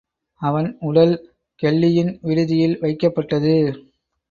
அவன் உடல் கெல்லியின் விடுதியில் வைக்கப்பட்டது.